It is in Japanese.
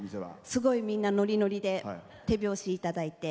すごいみんなノリノリで手拍子いただいて。